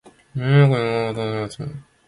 胸の奥に浮かぶ言葉を拾い集めよう